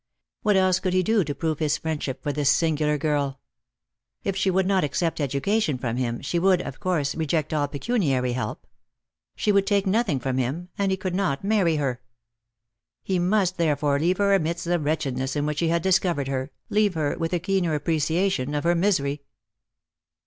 What else could he do to prove his friendship for this singular girl ? If she would not accept education from him, she would, of course, reject all pecuniary help. She would take nothing from him ; and he could not marry her. He must therefore leave her amidst the wretchedness in which he had discovered her, leave her with a keener appreciation of her misery.